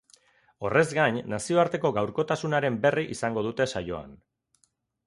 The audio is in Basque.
Horrez gain, nazioarteko gaurkotasunaren berri izango dute saioan.